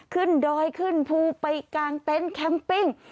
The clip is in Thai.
ขึ้นดอยขึ้นภูไปกางเต้นแคมปิ้ง